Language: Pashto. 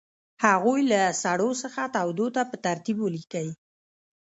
هغوی له سړو څخه تودو ته په ترتیب ولیکئ.